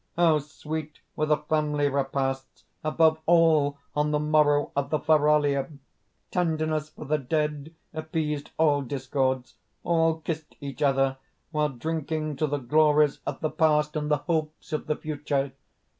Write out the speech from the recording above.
"How sweet were the family repasts, above all on the morrow of the Feralia! Tenderness for the dead appeased all discords; all kissed each other, while drinking to the glories of the past, and the hopes of the future.